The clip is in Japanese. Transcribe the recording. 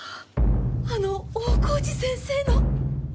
あの大河内先生の！